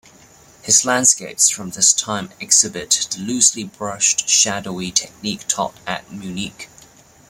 His landscapes from this time exhibit the loosely brushed, shadowy technique taught at Munich.